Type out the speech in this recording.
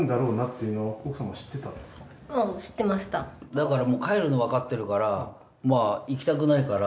だから帰るのわかってるから行きたくないから。